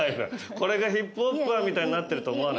これがヒップホッパーみたいになってると思わない。